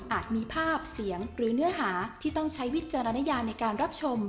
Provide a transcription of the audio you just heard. มีภาพเสียงหรือเนื้อหาที่ต้องใช้วิจารณญาในการรับชม